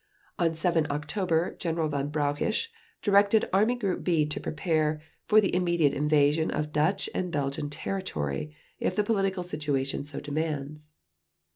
On 7 October General Von Brauchitsch directed Army Group B to prepare "for the immediate invasion of Dutch and Belgian territory, if the political situation so demands."